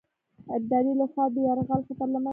ابدالي له خوا د یرغل خطر له منځه ولاړ.